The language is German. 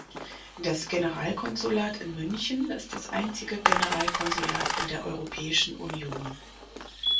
Das Generalkonsulat in München ist das einzige Generalkonsulat in der Europäischen Union.